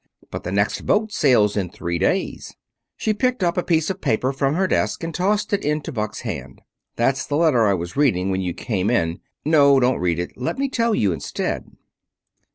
But the next boat sails in three days." She picked up a piece of paper from her desk and tossed it into Buck's hand. "That's the letter I was reading when you came in. No; don't read it. Let me tell you instead."